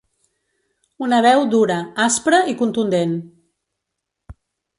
Una veu dura, aspra i contundent.